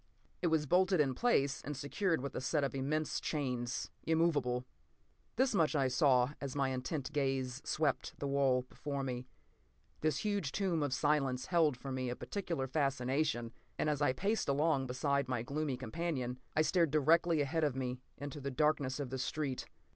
It was bolted in place and secured with a set of immense chains, immovable. This much I saw as my intent gazeswept the wall before me. This huge tomb of silence held for me a peculiar fascination, and as I paced along beside my gloomy companion, I stared directly ahead of me into the darkness of the street.